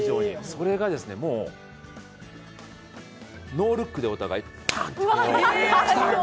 それがもうノールックでお互い、パンって。